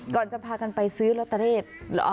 ก่อนจะพากันไปซื้อลอตเตอรี่